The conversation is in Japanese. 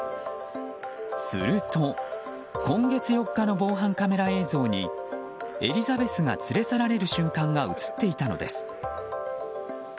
すると、今月４日の防犯カメラ映像にエリザベスが連れ去られる瞬間が映っていたのです。